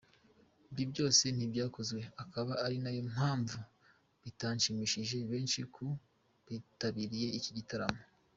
Ibi byose ntibyakozwe akaba ari nayo mpamvu bitashimishije benshi mu bitabiriye iki gitaramo.